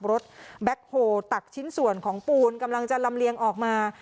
แบ็คโฮลตักชิ้นส่วนของปูนกำลังจะลำเลียงออกมา